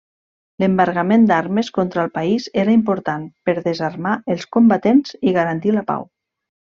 L'embargament d'armes contra el país era important per desarmar els combatents i garantir la pau.